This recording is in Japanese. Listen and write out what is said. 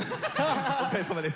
お疲れさまです。